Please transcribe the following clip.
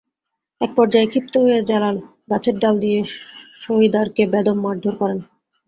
একপর্যায়ে ক্ষিপ্ত হয়ে জালাল গাছের ডাল দিয়ে সহিদারকে বেদম মারধর করেন।